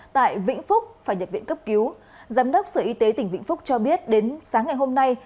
tại vĩnh phúc phải nhập viện cấp cứu giám đốc sở y tế tỉnh vĩnh phúc cho biết đến sáng ngày hôm nay